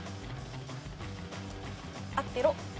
合ってろ！